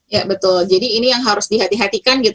ya betul jadi ini yang harus dihatikan